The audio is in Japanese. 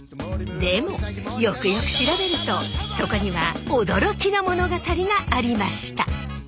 でもよくよく調べるとそこには驚きの物語がありました。